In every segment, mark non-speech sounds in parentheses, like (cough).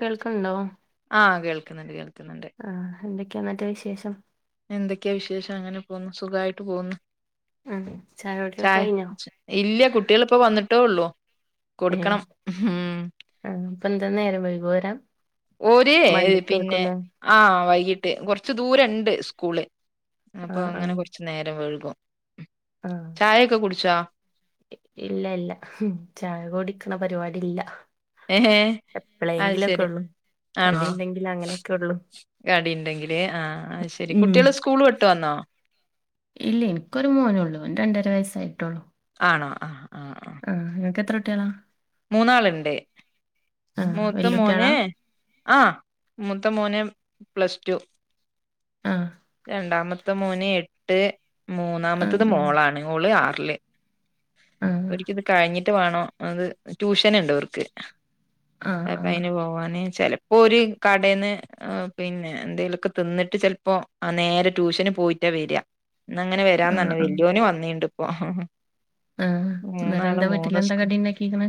കേൾക്കണ് ണ്ടോ? ആഹ് കേൾക്കുന്നുണ്ട്. കേൾക്കുന്നുണ്ട്. ക്കെന്റ വിശേഷം. എന്തൊക്കെയാ വിശേഷം അങ്ങനെ പോന്നു സുഖായിട്ട് പോന്നു. ഉം ചായകുടിയൊക്കെ ച കഴിഞ്ഞോ ഇല്ല കുട്ടികളിപ്പോ വന്നിട്ടേ ഉള്ളൂ ആ കൊടുക്കണം ഉം അപ്പൊ എന്താ നേര വയ്ക്കോ വരാൻ ഓര് പിന്നെ വണ്ടിക്കേർക്കുല്ലേ ആ വൈകിട്ട് കുറച്ച് ദൂരണ്ട് സ്കൂള് അപ്പൊ ആഹ് അങ്ങനെ ആഹ് കുറച്ചു നേരം വൈകും ആഹ് ചായയ ഒക്കെ കുടിച്ചോ ഇല്ല ഇല്ല ചായ കുൊടിക്കണ പരിപാടി ഇല്ല ഏഹേ അത് എപ്പോഴെങ്കിലുംഒക്കെ ശരി ഉള്ളു ആണോ കടി ഉന്തെങ്കിലും അങ്ങനെയൊക്കെ ഉള്ളു കടി ഉണ്ടെങ്കില് ആ ശെരി കുട്ടികൾ സ്കൂൾ വിട്ടു വന്നോ ഇല്ല എനിക്കൊരു മോനേ ഉള്ളൂ രണ്ടര വയസ്സായിട്ടോുള്ളു ആണോ ആ ആഹ നിങ്ങക്ക് എത്രകുട്ടി ളാ മൂന്നാളുണ്ട് ആഹ് മൂത്ത മോൻ വല്യുട്ടികളാ ആ മ മൂത്ത മോന് മൂന്ന് പ്ലസ് ടു ആഹ രണ്ടാമത്തെ മോൻ എട്ട് ആഹ് മൂന്നാമത്തത് ആഹ് മോളാണ് ഓൾ ആറിില് ആഹ് ഒര് ക്ക് ഇത് കഴിഞ്ഞിട്ട് വേണോ അത് ട്യൂഷൻ ഉണ്ട്ോ അവർക്ക് ആഹ് പ്പ ഇന പോവാാന ചിലപ്പോ ഒരു കടന്ന് പിന്നെ എന്തെിലുമൊക്കെ തിന്നിട്ട് ചിലപ്പോ ആ നേരെ ട്യൂഷന് പോയിട്ടാ വരി എന്ന അങ്ങനെ ആഹ് വരാന്നന്നെ ആഹ് വല്ിയോന് വന്നിണ്ട് ഇപ്പോൊ ആഹ് മൂന്നാള് എന്നിട്ടെന്താ മൂന്ന് വീട്ടിലെന്താ വീട്ട കടി ഉണ്ടാക്കിക്കണ്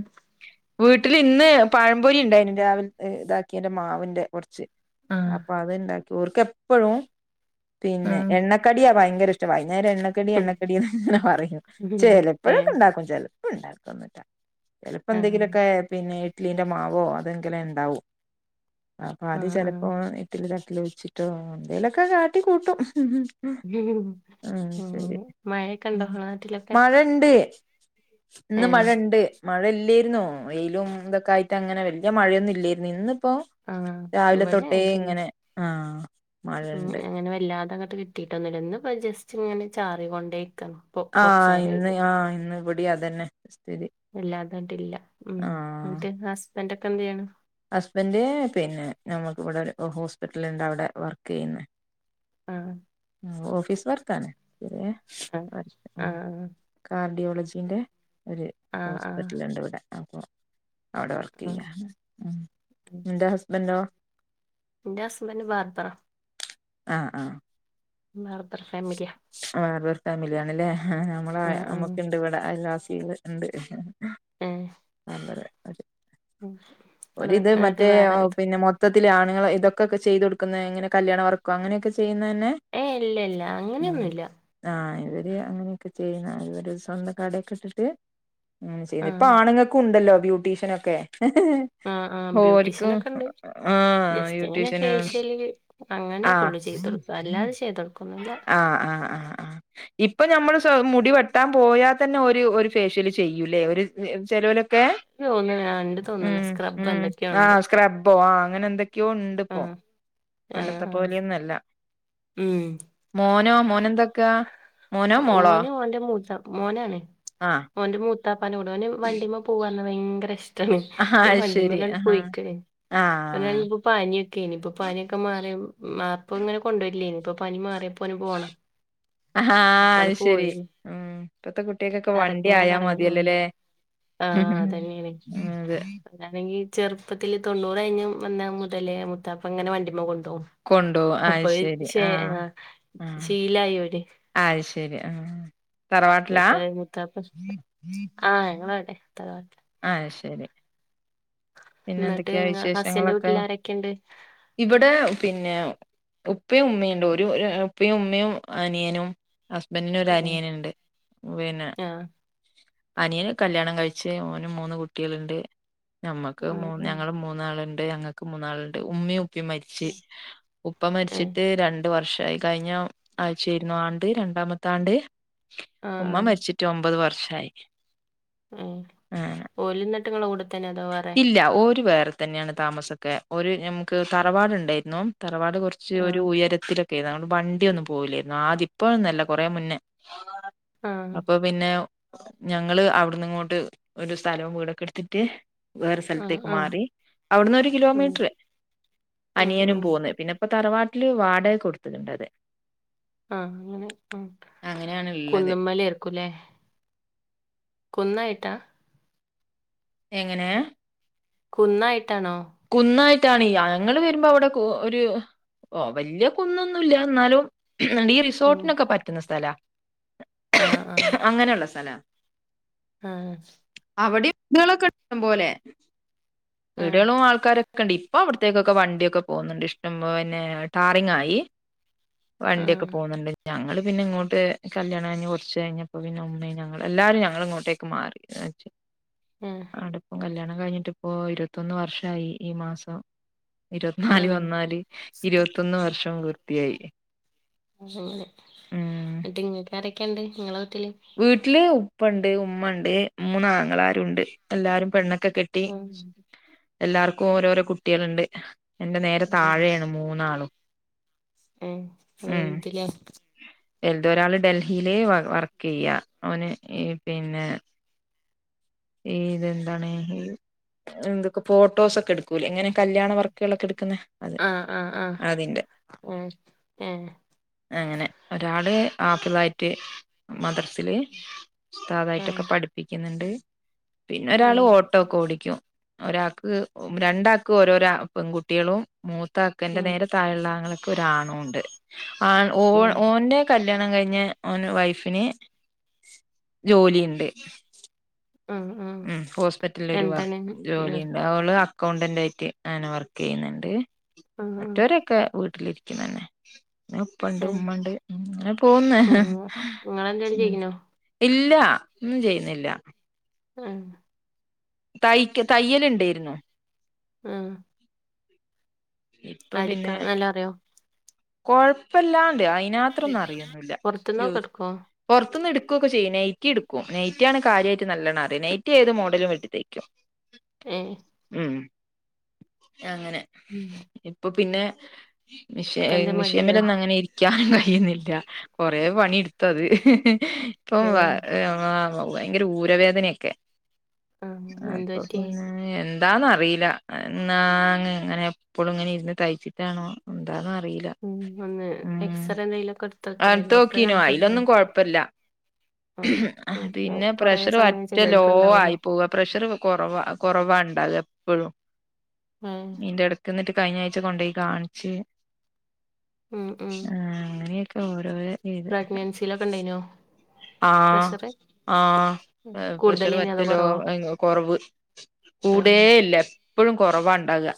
(unintelligible) വീട്ടിൽ ഇന്ന് പഴംപൊരി ഉണ്ടായിന് രാവില ഇതാക്കി ന്റെ മാവിന്റെ കുറച്ച് ആഹ് അപ്പൊ അത് ഇണ്ടാക്കി ഓർക്ക എപ്പഴും പിന്നെ ആഹ് എണ്ണക്കടിയാ ഭയങ്കര ഇഷ്ടമായി ഞ എണ്ണക്കടി എണ്ണക്കടിന്ന് ഇങ്ങനെ പറയുന്നു ചില ഏഹ് എപ്പോഴൊക്കെ ഉണ്ടാക്കും ചെില ഉണ്ടാക്കുംന്നറ്റ ചിലപ്പോ ആഹ് എന്തെങ്കിലുമൊക്കെ പിന്നെ ഇഡ്ലിന്റെ മാവോ അതെങ്കിലെ ഉണ്ടാവും അപ്പൊ അത് ആഹ് ആഹ് ചിലപ്പോ ഇത്തിൽ തട്ടൽ ഒിച്ചിട്ടോ എന്തേലൊക്കെ കാട്ടി കൂട്ടും അങ്ങനെ ഉ ഉ ശരി മഴയൊക്കെ ഉ ഉണ്ടോ ഇങ്ങളെ നാട്ടിലൊക്കെ മഴണ്ട് ഇന്ന് ഏഹ് മഴണ്ട് മഴ ഇല്ലായിുന്നോ വെയില് ഇതൊക്കെ ആയിട്ട് അങ്ങനെ വലിയ മഴയൊന്നും ഇല്ലായിരുന്നു ഇന്ന് ഇപ്പോൊ ആഹ് രാവിലെ ഇവിടെ തൊട്ടേ അങ്ങനെ തന്നെ ഇങ്ങനെ ആ മഴ ഉം അങ്ങനെ വല്ലാത അങ്ങട്ട് കിട്ടീട്ടൊന്നുമല്ലോ ഇന്ന് ഇ ജസ്റ്റ് ഇങ്ങനെ ചാറി കൊണ്ടേ ആഹ് ഇന്ന് ആഹ് ഇന്ന്ഇവടി അതന്നെ സ്ഥിതി അല്ലാതായിട്ടില്ല ഉ എന്നിട്ട് ഹസ്ബൻഡ ഒക്കെ എന്തെയാണ് ഹസ്ബൻഡ പിന്നെ നമുക്കിവിടെ ഒരു ഹോസ്പിറ്റല ഉണ്ട് അവിടെ വർക്ക് ചെയ്യുന്ന ആ ഓഫീസ് വർത്താനെ ഇ ആഹ് (unintelligible) ആഹ് ർഡിയോളജീന്റെ ഒരു ആഹ് ആഹ് ഹോസ്പിറ്റലുണ്ട് ഇവിടെ അപ്പൊ അവിടെ വർക്ക് ആഹ് ചെയ്യാ ഉ നിന്റെ ഹസ്ബൻഡോ ഇൺഡേ ഹസ്ബൻഡ് ബാർബറാ ആഹ ആഹ മാർദർ ഫാമില മല്യാണിലേ നമ്മള നമുക്ക ഇണ്ട് ഇവിടെ അലാസിൽ ഉണ്ട് ആ ഇങ്ങള് ഒരിത് എന്നിട്ട് മറ്റേ വേറെ പിന്നെ മൊത്ത ഇതിലെആണുങ്ങൾ ഇതൊക്കെ ചെയ് കൊടുക്കുന്നെ എങ്ങനെ കല്യാണ വർക്കോ അങ്ങനെയൊക്കെ ചെയ്യ ഏ ഇല്ല ഇല്ല ഉ അങ്ങനെയൊന്നുല്ല ആ ഇവര് അങ്ങനെയൊക്കെ ചെയ്യുന്ന ഇവര് സ്വന്തം കടൊക്കെ ഇട്ടിട്ട് ഉ ചെയ്യുന്നു ഇപ്പൊ ആഹ് ആണുങ്ങൾക്ക് ഉണ്ടല്ലോ ബ്യൂട്ടീഷ്യൻ ഒക്കെ ഹെ ഹെ ആഹ് ആഹ് ഓരിക്കും ബ്യൂട്ടീഷ്യനൊക്കെ ഉണ്ട് ആ ബ്യൂട്ടീഷന് അങ്ങനൊക്കള്ളൂ ചെയ്തൊടുക്കു അല്ലാതെ ചെയ്തൊടുക്കന്നില്ല ആഹ് ആഹ് ആഹ് ആഹ് ഇപ്പൊ നമ്മൾ മുടി വെട്ടാൻ പോയാൽ തന്നെ ഒരു ഒരു ഫേഷ്യല് ചെയ്യൂലേ ഒരു ചിലവ ഇണ്ട് തോന്ന്ണ് ഇണ്ട് തോന്ന്ണ് സ്ക്രബ് ഉം എന്തൊക്കെയോ ആഹ് ഉണ്ട് സ്ക്രബ്ബോ ആഹ് അങ്ങനെ എന്തൊക്കെയോ ഇണ്ട് ആ ഇപ്പൊ ആ പണ്ടത്തെ ആ പോലെയൊന്നും അല്ല ഉം മോനോ മോനെന്താക്കാ മോനോ മോളോ ഓന് ഓന്റെ മൂത്ത മോനാണ് ആഹ് ഓന്റെ മൂത്താപ്പാന്റെ കൂടെ ഓന് വണ്ടിമ്മ പോവ്വാ ഭയങ്കര ഇഷ്ടാണ് ആഹ് അപ്പൊ അത് ശരി വണ്ടിമലാണ്ട് ആഹ് പോയിക്ക്ണ് ഓ ആഹ് നായിപ്പം ഇപ്പ പനിയൊക്കെയായേനി ഇപ്പൊ പനിയൊക്കെ മാറിയപ്പം മാപ്പ് ഇങ്ങനെ കൊണ്ടോയിട്ടില്ലേനി ഇപ്പൊ പനി മാറിയപ്പം ഓന് പോണം അഹാ അപ്പണ്ട് അത് ശരി പോയി ഉം ഇപ്പത്തെ കുട്ട്യാക്കൊക്കെ വണ്ടി ആയാ മതിയല്ലൊ ല്ലേ ആഹ് അതന്നേണ് അതാണെങ്കി ചെറുപ്പത്തിൽ തെണ്ണൂറ് കഴിഞ്ഞു വന്ന മുതലേ മുത്താപ്പ ഇങ്ങനെ വണ്ടിമ്മ കൊണ്ട് പോവും ണ്ടോവും കൊണ്ടോവും അത് അപ്പോഴ് ശരി ശേ ആഹ് ശീലായോര് ശെരി ആഹ് തറവാട്ടിലാ? എപ്പ ഈ മുത്തപ്പ ആഹ് ഞങ്ങളവ്‌ടെ തറവാട് അത് ശരി പിന്നെ എന്നിട്ട് എന്തൊക്കെയാ ഇങ്ങ ഹസ്സന്റെ വിശേഷങ്ങളൊക്കെ വീട്ടിൽ ആരൊക്കെണ്ട് ഇവിടെ പിന്നെ പിന്നെ ഉപ്പയും ഉമ്മയുണ്ട് ഒര് ഒര് ഉപ്പയും ഉമ്മയും അനിയനും ഹസ്ബന്റിന് ഒരു ആഹ് അനിയൻ ഇണ്ട് പിന്നെ ആഹ് അനിയന് കല്യാണം കഴിച്ച് ഓന് മൂന്ന് കുട്ടികള്ണ്ട് ഞമ്മക്ക് ഉം മൂന്ന് ഉം ഞങ്ങള് മൂന്നാള്ണ്ട് ഞങ്ങക്ക് മൂന്നാള്ണ്ട് ഉമ്മിം ഉ പ്പിം മരിച്ച് ഉപ്പ ഏഹ് മരിച്ചിട്ട് രണ്ട് വർഷം കഴിഞ്ഞ ആഴ്ച ആയിരുന്നു ആണ്ട് രണ്ടാമത്തെ ആണ്ട് ആഹ് ഉമ്മ മരിച്ചിട്ട് ഒമ്പത് വർ ഷായി ഉ ഓല്ന്നട്ട് ഇങ്ങളെ കൂടെ തന്നെ അതോ വേറെ ഇല്ല ഓര് വേറെ തന്നേണ് താമസൊക്കെ ഓര് നമുക്ക് തറവാട്ണ്ടായിരുന്നു തറവാട് കൊർച്ച് ഒരു ആഹ് ഉയരത്തിലൊ ക്കേനി അങ്ങട്ട് വണ്ടിയൊന്നും ക്കെ വണ്ടി ഒന്നുംപോകുലായിരുന്നു ആദ്യം ഇപ്പോഴൊന്നും അല്ല കൊറേ മുന്നെ ആഹ് അപ്പൊ പിന്നെ ഞങ്ങള് അവിടന്ന് ഇങ്ങോട്ട് ഒരു സ്ഥലവും വീടൊക്കെ എടുത്തിട്ട് വേറെ ആഹ് സ്ഥലത്തേക്ക് ആഹ് മാറി അവിട്ന്നൊരു ഉം കിലോമീറ്റർ ഉം അനിയനും ഉം പോന്ന് പിന്നെ ഇപ്പ തറവാട്ടില് വാടകക്ക് കൊടുത്ത്ക്ക്ണ്ട് അത് ആ അങ്ങനെ ഉം അങ്ങനെയാണ് ഇള്ളത് കുന്നമ്മലേർക്കും ല്ലേ കുന്നായിട്ടാ എങ്ങനെ കുന്നായി കുന്നായി ട്ടാണ് ഞങ്ങള് വരുമ്പോ അവിടെ ഒരു ഓ വല്ല്യ കുന്നൊന്നുല്ല്യ ഇന്നാലും ഈ ഉം റിസോർട്ടിനൊക്കെ പറ്റുന്ന സ്ഥലാ അങ്ങനെള്ള സ്ഥലാ ആ വീടാളൊക്കെണ്ട് ഇഷ്ടം പോലെ ആഹ് വീടാളും ആൾക്കാ രൊക്കെണ്ട് ഇപ്പൊ അവിട്ത്തേക്കൊക്കെ വണ്ടിയൊക്കെ പോകുന്നുണ്ട് ഇഷ്ടം പോലെ പിന്നെ ടാറിങ്ങ് ആയി വണ്ടിയൊക്കെ ആഹ് പോകുന്നുണ്ട് ഞങ്ങള് പിന്നെ ഇങ്ങോട്ട് കല്യാണം കഴിഞ്ഞ് കൊറച്ച് കഴിഞ്ഞപ്പോ പിന്നെ ഉമ്മയും ഞങ്ങളും എല്ലാരും ഞങ്ങള് ഇങ്ങോട്ടേക്ക് മാറി ആഹ് ആടപ്പം കല്യാണം കഴിഞ്ഞിട്ടിപ്പോ ഇരുപത്തൊന്ന് വർഷായി ഈ മാസം ഇരുപത്തിനാല് ആഹ് വന്നാല് ഇരുപത്തൊന്ന് വർഷം പൂർത്തിയായി. ഉം ക്കെണ്ട് ഇങ്ങളെ വീട്ടില് വീട്ടില് ഉപ്പണ്ട് ഉമ്മണ്ട് മൂന്ന് ആങ്ങളാരുണ്ട് എല്ലാരും പെണ്ണൊ ക്കെ കെട്ടി ഉം എല്ലാർക്കും ഓരോരോ കുട്ടികള്ണ്ട് എന്റെ നേരെ താഴെയാണ് മൂന്നാളും ഏ ഇങ്ങളാ വൽത് ലെ വൽതൊരാള് ഡൽഹിയില് വർക്ക് ചെയ്യാ അവന് പിന്നെ ഏ ഇതെന്താണ് എ എന്തൊക്കെ ഫോട്ടോസൊക്കെ എടുക്കൂല ഇങ്ങനെ കല്യാണ വർക്കുകളൊക്കെ എക്ക ന്ന അത് ആഹ് ആഹ് ആഹ് അതിന്റെ ഏഹ് ഏഹ് അങ്ങനെ ഒരാള് ആപ്പിളായിട്ട് മദ്രസില് ആഹ് ഉസ്താതായിട്ടൊക്കെ പഠിപ്പിക്കുന്നുണ്ട് പിന്നെ ഒരാള് ആഹ് ഓട്ടോ ഒക്കെ ഓടിക്കും ഒരാക്ക് രണ്ടാക്ക് ഓരോരാ പെൺകുട്ടിളും മൂത്താക്ക എന്റെ ഉം നേരെ താഴെള്ളാങ്ങൊക്കെ ഒരാണുണ്ട് ആ ഓ ഉം ഓന്റെ ക കല്യാണം കഴിഞ്ഞ ഓന് വൈഫിന് ജോലിണ്ട് ആഹ് ആഹ് ഉം ഹോസ്പിറ്റല ഒരു എന്താണ് വർക്ക്‌ ജോലി ആഹ് ഉണ്ട് അവൾ അക്കൗണ്ടന്റ് ആയിട്ട് അങ്ങനെ വർക്ക് ചെയ്യുന്നുണ്ട് ആഹ് ആഹ് മറ്റവരൊക്കെ വീട്ടിലിരിക്കുന്നു തന്നെ ഉപ്പണ്ട് ഏഹ് ഉമ്മണ്ട് അങ്ങനെ പോന്നു ആഹ് ഇങ്ങളെന്തേലും ചെയ്യ്ണോ ഇല്ല ഒന്നും ചെയ്യുന്നില്ല ആ തയ്ക്ക തയ്യൽ ഇണ്ടായിന്നോ ആ ഇപ്പൊ അടിക്കാ പിന്നെ നല്ല അറിയോ കൊഴപ്പല്ലാണ്ട് അയിനത്രൊന്നും അറിയന്നില്ല ജ പൊറത്ത്ന്നൊക്കെ എടുക്കോ പുറത്തുന്ന് എടു കാക്കെ ചെയ്യും നൈറ്റി എടുക്കും നെയറ്റ ആണ് കാര്യമായിട്ട് നല്ലണ്ണ നൈറ്ററ്റ് ഏത് മോഡലും വെട്ടി തൈക്കും ഏഹ് അങ്ങനെ ഉം അപ്പൊ പിന്നെ മിഷ ഇപ്പെന്തേ മിഷീമല മടിയായോ ഒന്ന അങ്ങനെ ഇരിക്കാനും ചെയുന്നില്ല കൊറ പണി എടുത്തത് ഇപ്പ ഏഹ് (unintelligible) ഭയങ്കര ഊരവേദനൊക്കെ ആഹ് എന്ത് അപ്പൊ പറ്റി പിന്നെ എന്താന്ന് അറിയില്ല നാങ് അങ്ങനെ എപ്പോഴും ഇങ്ങനെ ഇരുന്ന് തയ്ച്ചിട്ടാണോ എന്താ അ ഉം അന്നേ എക്സറേന്തെലൊക്കെ എടു അനത്ത് നോക്കീനോ അലൊന്നും കൊഴപ്പില്ല ആഹ് നോക്കുണ്ടാവും പിന്നെ കൊറേ പ്രഷർ സമയം ഒറ്റ ലോ ചെലോൽക്ക് ഇണ്ടാവല്ലോ ആയി പോവുക പ്രഷർ കുറവ കുറവാണ് ഇണ്ടക എപ്പോഴും ഏഹ് നീന്റെ ഇടക്ക് എന്നിട്ട് കഴിഞ്ഞ ആഴ്ച കൊണ്ടോയി കാണിച്ച് ഉം ഉം ക്യോ ഓരോ രെ പ്രഗ്നൻസിയിലൊക്കെ ഇണ്ടായിനോ ആ പ്രഷറ് ആ പ്രഷർ കൂടുതലേനോ പറ്റ അതോ ല്ലോ കൊറവോ കൊറവ് കൂടെ ആഹ് ഇല്ല എപ്പോഴും കുറവാ ഇണ്ടാവാ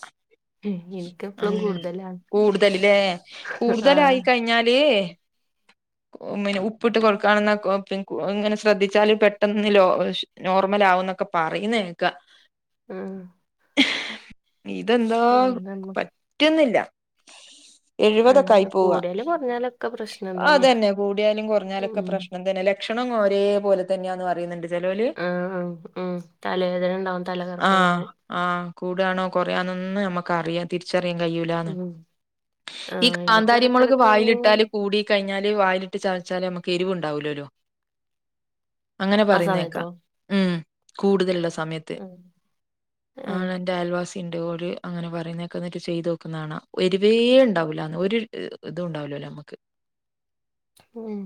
എനിക്ക് ആ ഇപ്പളും കൂടുതലാണ് കൂടുതലില്ലേ കൂടുതലായി ആഹ് കഴിഞ്ഞാല് മന്നെ ഉപ്പിട്ട് കൊടുക്കാണെന്ന ഇങ്ങനെ ശ്രദ്ധിച്ചാല പെട്ടെന്ന് ലോ നോർമൽ ആകന്നൊക്കെ പറയുന്ന കേക്ക ആഹ ഇതെന്താ പറ്റുന്നില്ല എഴുപതൊക്കെ ആയി ആഹ് പോവ കൂടിയാലും കൊറഞ്ഞാലൊക്കെ പ്രശ്നം തന്നെയാ അതന്നെ കൂടിയാലും കുറഞ്ഞാലൊക്കെ ഉം പ്രശ്നം അങ്ങെ ലക്ഷണം ഒരേ പോലെ തന്നെയാന്ന് പറയുന്നുണ്ട് ചെലോല് ഉ ഉ ഉം തലവേദര ഉണ്ടാവും ആഹ് തലകറക്കുണ്ടാവും ആഹ് കൂടാണോ കൊറയാണോന്ന് നമ്മുക്ക്റിയ തിരിച്ചറിയാൻ കഴിൂലന്ന് ഉം ഈ ആഹ് എനിക്ക് കാന്താരിമുളക് എടക്കെടക്ക് വായിലിട്ടാല് ഇങ്ങനെ കൂട കഴിഞ്ഞാല് വായിലിട്ട് ചതച്ചാലല് നമുക്ക് രുവ് ഉണ്ടാവലോല്ലോ അങ്ങനെ ആ പറയുന്നേക്കാം സമയത്തോ ഉ കൂടുതലുള്ള സമയത്ത് ആഹ് ആ ആഹ് എറെ ആൽവാസി ചി്ോട് അങ്ങനെ പറയുന്നതൊക്കെന്നിട്ട് ചെയ്ത് നോക്കുന്നതാണ് വവേ ഉണ്ടാവില്ലോ ഒരു ഇതും ഉണ്ടാവില്ലോ നമുക്ക് ഉം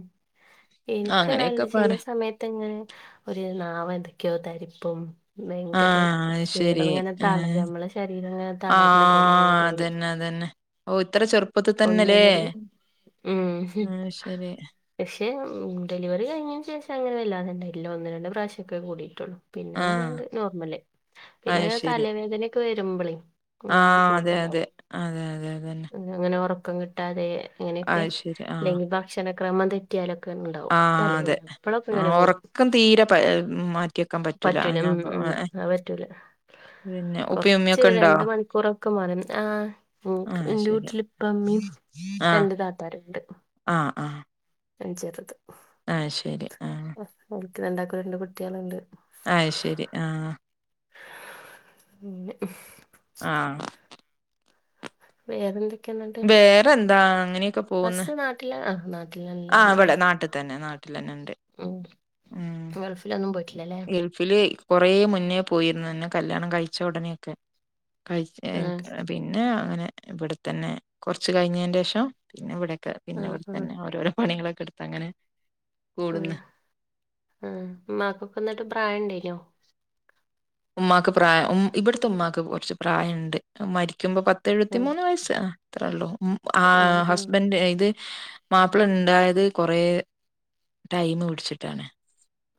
എനിക്ക് നല്ല അങ്ങനെയൊക്കെ പറ ചില സമയത്ത് ഇങ്ങനെ ഒരു നാമ എതൊക്കെയോ തരി അപ്പം ഭയങ്കര ആഹ് അത് ചീളം അങ്ങനെ തള നമ്മളെ ശരീരംങ്ങ ആഹ അതന്നെ അത തന്നെ ഓ ഇത്ര ചെറുപ്പ ഒന്നിന്റെ ഒരു ഉം അത് ശരി. പക്ഷെ ഡെലിവറി കഴിഞ്ഞതിനന് ശേഷം അങ്ങനെ വല്ലാന്നുണ്ടായില്ല ഒന്ന് രണ്ട പ്രാവശ്യം ഒക്കെ കൂടി പിന്നെ ആഹ് അങ്ങനണ്ട് നോർമല് അത് പിന്നെങ്ങനെ ശരി. തലവേദനൊക്കെ വരുമ്പോളേ അ ആഹ് അതെ കൂടുതലാവും അതെ. അതെ അതെ അതന്നെ. അങ്ങനെ ഉറക്കം കിട്ടാതെ അങ്ങനെയൊക്കെ അത് ശരി. ആഹ് അല്ലെങ്കിൽ ഭക്ഷണക്രമം ത റ്റിയാലൊക്കെ ഉണ്ടാവും ആഹ് തലേദന അതെ. എപ്പഴൊക്കെ ആഹ് ഇങ്ങനെ കൊടുക്കും ഒറക്കം തീരെ പ മാറ്റിവെക്കാൻ പറ്റൂല ഉം അങ്ങനാവുമ്പോ ഉം ഏഹ് അ പറ്റൂല പിന്നെ ഉപ്പയും കൊറച്ച് ഉമ്മയൊക്കെണ്ടോ? രണ്ട് മണിക്കൂറൊക്കെ മാര ആ്ക്ക് ആഹ് അത് എന്റെ ശരി. വീട്ടിലിപ്പ മ്മ രണ്ട് താത്താരുണ്ട് ആഹ അ ചേറത് ആഹ ശരി ആഹ രണ്ടാക്കൂരുണ്ട് കുട്ടികളുണ്ട് ആഹ ശരി ആഹ മ ആഹ വേറെ എന്തൊക്ക വേറെ എന്താ അങ്ങനെ അസ് നാട്ടില ആ നാട്ട ആ് ഇവിടെ നാട്ടിൽ തന്നെ നാട്ട ണ്ട് ഉം ഉ ഗൾഫിലൊന്നും പോയിട്ടില്ലല്ലേ ഗൾഫിൽയി കുറെേ മുന്നേ പോയിരുന്നുന്നെ കല്യാണം കഴിച്ച ഉടനെയൊക്കെ കഴ ആഹ് പിന്നെ അങ്ങനെ ഇവിടെത്തന്നെ കുറച്ച് കഴിഞ്ഞതിന് ശേഷം പിന്നെ ഇവിടെ പിന്നെ ആഹ് പോലെ ആഹ് തന്നെ ഓരോരോ പണികളൊക്കെടുത്ത് അങ്ങനെ ആ കൂടുന്ന് ആ മാക്കൊക്കന്നിട്ട് ബ്രാ ഉണ്ടേനോ ഉമ്മാക്ക് പ്രായം ഉ ഇവിടത്തെ ഉമ്മാക്ക് കുറച്ച് പ്രായംുണ്ട് ഉമ്മാരിക്ക ുമ്പോ പത്ത് എഴുത്തി ആഹ് മൂന്ന് വയ അത്രേള്ളൂ ആ ആഹ് ആഹ് ഹസ്ബൻഡ് ഇത് മാപ്പിള ഉണ്ടായത് കൊറ ടൈം പിടിച്ചിട്ടാണ്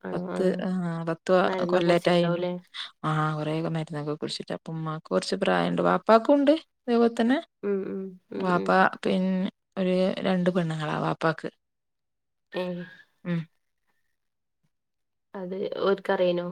ആണോ പത്ത് ആഹ് ആ പത്ത് മരുന്നൊക്കെ കൊല്ലേറ്റായിുണ്ടോ കുടിച്ചിട്ടുണ്ടാവൂല്ലേ ആ പ്രേക മരുന്നൊക്കെ കുറിച്ചിട്ട അപ്പ ഉ്മാക്ക കുറച്ച് പ്രായ ഉണ്ട് പാപ്പാക്കക്കും ഉണ്ട് അ അ തന്നെ ഉം ഉം ഉം വാപ്പ ഉം പിന്നെ ഒരു രണ്ട് പെണ്ണുങ്ങളാ വാപ്പക്ക് പി അത് ക്കറിയനോ